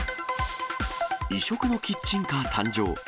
異色のキッチンカー誕生。